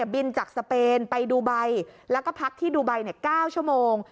บินจากสเปนไปดูไบแล้วก็พักที่ดูไบ๙ชั่วโมง